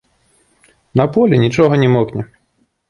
На полі нічога не мокне.